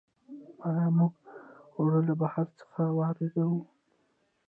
آیا موږ اوړه له بهر څخه واردوو؟